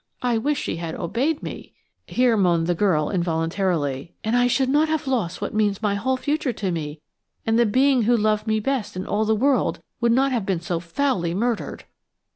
I wish she had obeyed me," here moaned the poor girl involuntarily, "and I should not have lost what means my whole future to me, and the being who loved me best in all the world would not have been so foully murdered."